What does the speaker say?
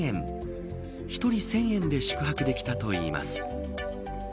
１人１０００円で宿泊できたといいます。